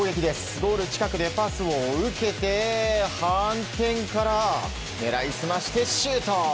ゴール近くでパスを受けて反転から狙い澄ましてシュート。